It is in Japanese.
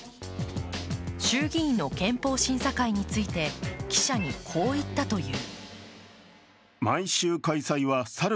衆議院の憲法審査会について記者にこう言ったという。